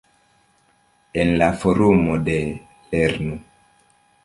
En la forumo de "lernu!